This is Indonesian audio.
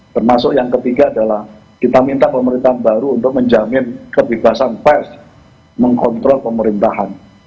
termasuk yang ketiga adalah kita minta pemerintahan baru untuk menjamin kebebasan pers mengontrol pemerintahan